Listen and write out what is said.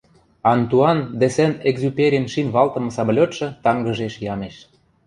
Антуан де Сент-Экзюперин шин валтымы самолётшы тангыжеш ямеш